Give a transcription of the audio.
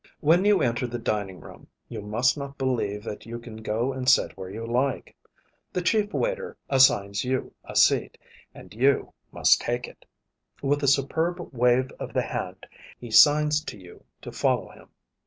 When you enter the dining room, you must not believe that you can go and sit where you like. The chief waiter assigns you a seat, and you must take it. With a superb wave of the hand, he signs to you to follow him.